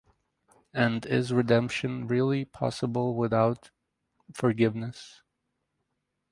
And is redemption really possible without forgiveness?